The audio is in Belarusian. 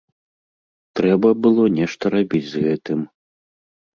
Трэба было нешта рабіць з гэтым.